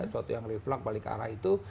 suatu yang reflux balik arah itu